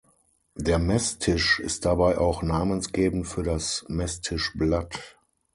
Der Messtisch ist dabei auch namensgebend für das Messtischblatt.